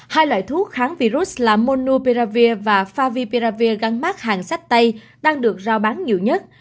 hai loại thuốc kháng virus là monupiravir và favipiravir gắn mát hàng sách tây đang được rao bán nhiều nhất